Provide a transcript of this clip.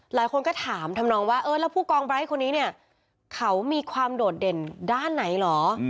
หลายคนก็ถามทำนองว่าเออแล้วผู้กองไร้คนนี้เนี่ยเขามีความโดดเด่นด้านไหนเหรอ